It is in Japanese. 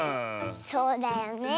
そうだよねえ。